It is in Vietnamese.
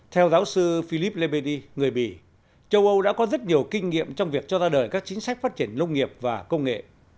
theo giáo sư philip lemedi người bỉ châu âu đã có rất nhiều kinh nghiệm trong việc cho ra đời các chính sách phát triển nông nghiệp và công nghệ